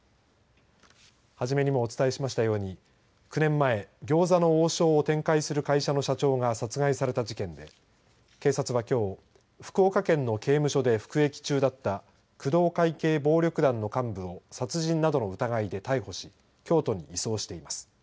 はじめにもお伝えしましたように９年前、餃子の王将を展開する会社の社長が殺害された事件で警察は、きょう福岡県の刑務所で服役中だった工藤会系暴力団の幹部を殺人などの疑いで逮捕し京都に移送しています。